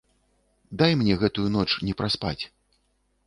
Дай мне гэтую ноч не праспаць.